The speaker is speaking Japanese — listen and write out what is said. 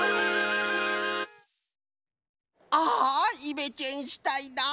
あイメチェンしたいな。